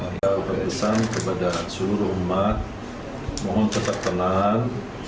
saya berpesan kepada seluruh umat mohon cepat tenang